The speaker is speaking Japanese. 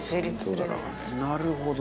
なるほど。